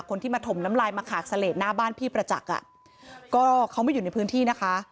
คนที่มาถมน้ำลายมาขากเสลดหน้าบ้านพี่ประจักษ์อ่ะก็เขาไม่อยู่ในพื้นที่นะคะ